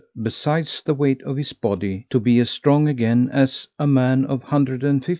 besides the weight of his body, to be as strong again as a man of 150 lib.